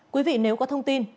quý vị nếu có thông tin